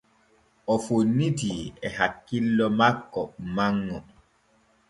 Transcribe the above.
O fonnitii e hakkillo makko manŋo.